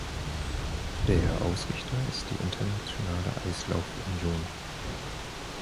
Der Ausrichter ist die Internationale Eislaufunion.